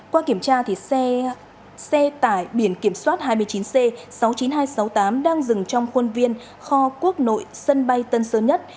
qua kiểm tra xe tải biển kiểm soát hai mươi chín c sáu mươi chín nghìn hai trăm sáu mươi tám đang dừng trong khuôn viên kho quốc nội sân bay tân sơn nhất